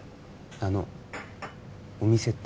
あのお店って？